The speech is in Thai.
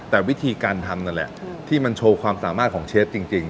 แต่วิธีการทำนั่นแหละที่มันโชว์ความสามารถของเชฟจริง